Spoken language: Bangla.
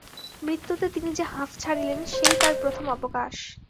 মৃত্যুতে তিনি যে হাঁফ ছাড়িলেন, সেই তাঁর প্রথম অবকাশ।